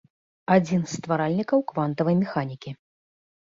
Адзін з стваральнікаў квантавай механікі.